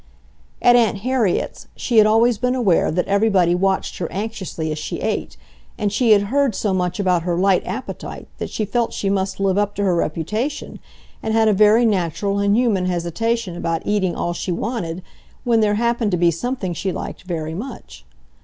At Aunt Harriet's she had always been aware that everybody watched her anxiously as she ate, and she had heard so much about her light appetite that she felt she must live up to her reputation, and had a very natural and human hesitation about eating all she wanted when there happened to be something she liked very much.